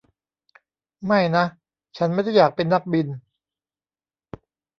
ไม่นะฉันไม่ได้อยากเป็นนักบิน